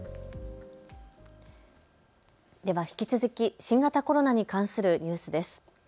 では引き続き新型コロナに関するニュースです。